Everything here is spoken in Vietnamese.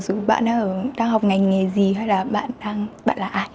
dù bạn đang học ngành nghề gì hay là bạn là ai